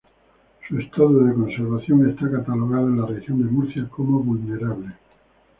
Su estado de conservación está catalogado en la Región de Murcia como vulnerable.